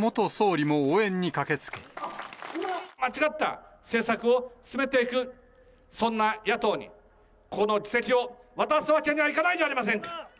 間違った政策を進めていく、そんな野党にこの議席を渡すわけにはいかないじゃありませんか！